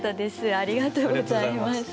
ありがとうございます。